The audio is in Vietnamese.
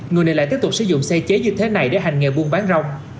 người này lại tiếp tục sử dụng xe chế như thế này để hành nghề buôn bán rau